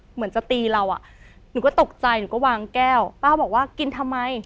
เหมือนจะตีเราอ่ะหนูก็ตกใจหนูก็วางแก้วป้าบอกว่ากินทำไม